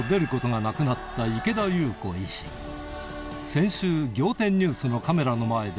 先週『仰天ニュース』のカメラの前で